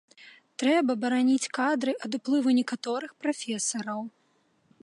Трэба бараніць кадры ад уплыву некаторых прафесараў.